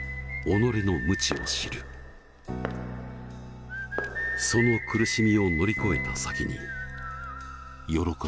その苦しみを乗り越えた先に喜びはある。